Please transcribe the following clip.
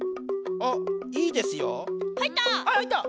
あいいですよ。